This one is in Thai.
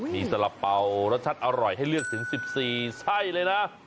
มีสละเป๋ารสชาติอร่อยให้เลือกถึง๑๔ไส้เลยนะ